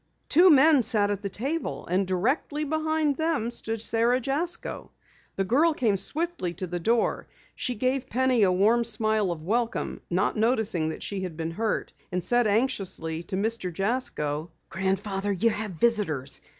Two men sat at the table, and directly behind them stood Sara Jasko. The girl came swiftly to the door. She gave Penny a warm smile of welcome, not noticing that she had been hurt, and said anxiously to Mr. Jasko: "Grandfather, you have visitors.